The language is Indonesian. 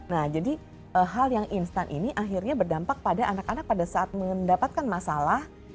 nah jadi hal yang instan ini akhirnya berdampak pada anak anak pada saat mendapatkan masalah